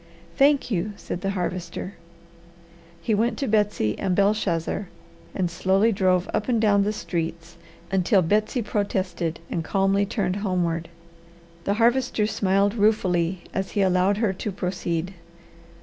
"Thank you," said the Harvester. He went to Betsy and Belshazzar, and slowly drove up and down the streets until Betsy protested and calmly turned homeward. The Harvester smiled ruefully as he allowed her to proceed.